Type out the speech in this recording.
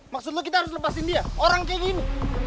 maksud lo kita harus lepasin dia orang kayak gini